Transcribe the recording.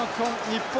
日本